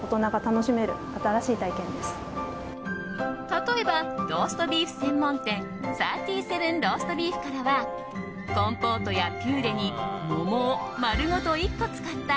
例えば、ローストビーフ専門店３７ローストビーフからはコンポートやピューレに桃を丸ごと１個使った